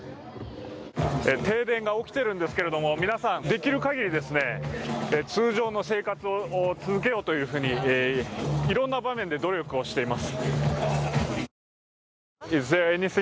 停電が起きているんですけれども、皆さんできるかぎり通常の生活を続けようというふうにいろんな場面で努力をしています。